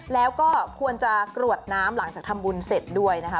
แล้วก็ควรจะกรวดน้ำหลังจากทำบุญเสร็จด้วยนะคะ